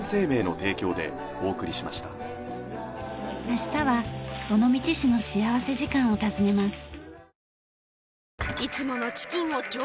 明日は尾道市の幸福時間を訪ねます。